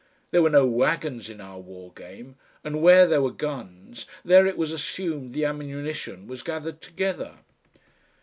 There were no wagons in our war game, and where there were guns, there it was assumed the ammunition was gathered together.